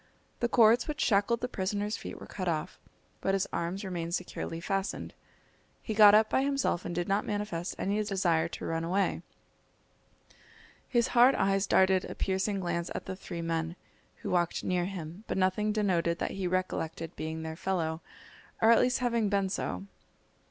The cords which shackled the prisoner's feet were cut off, but his arms remained securely fastened. He got up by himself and did not manifest any desire to run away. His hard eyes darted a piercing glance at the three men, who walked near him, but nothing denoted that he recollected being their fellow, or at least having been so.